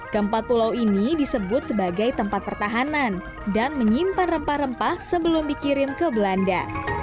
keempat pulau ini disebut sebagai tempat pertahanan dan menyimpan rempah rempah sebelum dikirim ke belanda